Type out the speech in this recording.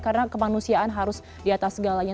karena kemanusiaan harus di atas segalanya